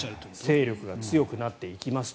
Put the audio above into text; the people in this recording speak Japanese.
勢力が強くなっていきますと。